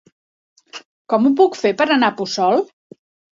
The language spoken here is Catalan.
Com ho puc fer per anar a Puçol?